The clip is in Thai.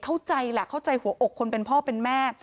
เข้าใจแหละเข้าใจหัวอกคนเป็นพ่อเป็นแม่